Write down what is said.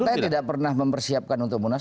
saya tidak pernah mempersiapkan untuk munas